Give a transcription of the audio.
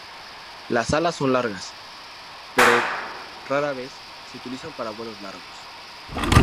Las alas son largas, pero rara vez se utilizan para vuelos largos.